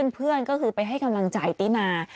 เพื่อนก็คือไปให้กำลังใจตินา